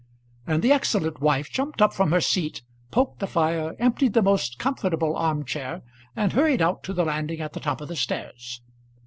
And the excellent wife jumped up from her seat, poked the fire, emptied the most comfortable arm chair, and hurried out to the landing at the top of the stairs.